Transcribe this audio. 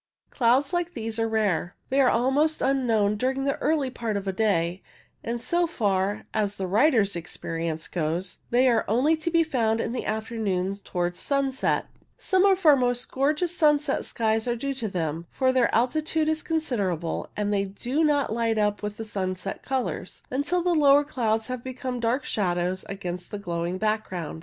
Clouds like these are rare. They 52 CIRRO STRATUS AND CIRRO CUMULUS are almost unknown during the early part of the day, and, so far as the writer's experience goes, they are only to be found in the afternoon towards sunset. Some of our most gorgeous sunset skies are due to them ; for their altitude is considerable, and they do not light up with the sunset colours until the lower clouds have become dark shadows against the glowing background.